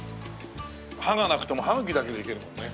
歯がなくても歯茎だけでいけるもんね。